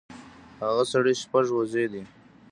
هغۀ سره شپږ وزې دي